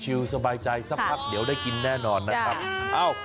สบายใจสักพักเดี๋ยวได้กินแน่นอนนะครับ